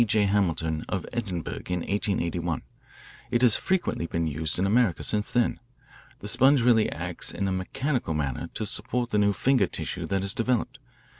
J. Hamilton, of Edinburgh, in 1881. It has frequently been used in America since then. The sponge really acts in a mechanical manner to support the new finger tissue that is developed.